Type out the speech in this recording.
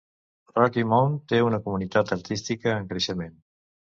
Rocky Mount té una comunitat artística en creixement.